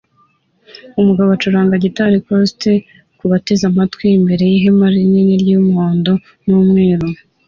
Umugabo acuranga gitari acoustic kubateze amatwi imbere yihema rinini ry'umuhondo n'umweru